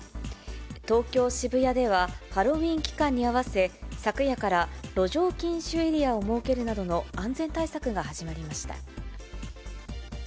東京・渋谷では、ハロウィーン期間に合わせ、昨夜から路上禁酒エリアを設けるなどの安全対策が始まりました。